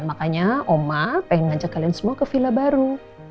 makanya oma pengen ngajak kalian semua ke villa baru